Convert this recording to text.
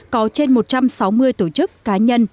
có trên một trăm sáu mươi tổ chức cá nhân